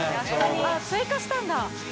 あっ追加したんだ！